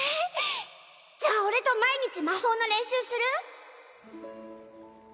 じゃあ俺と毎日魔法の練習する？